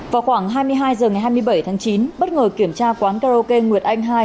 vào khoảng hai mươi hai h ngày hai mươi bảy tháng chín bất ngờ kiểm tra quán karaoke nguyệt anh hai